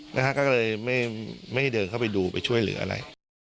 นะฮะก็เลยไม่ได้เดินเข้าไปดูไปช่วยเหลืออะไร